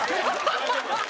ハハハハ！